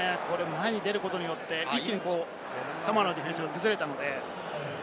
前に出ることによって一気にサモアのディフェンスが崩れたので。